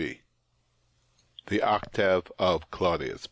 50 THE OCTAVE OF CLAUDIUS.